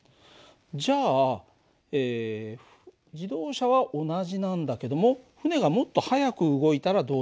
じゃあ自動車は同じなんだけども船がもっと速く動いたらどうなるかな。